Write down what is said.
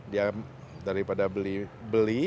dia daripada beli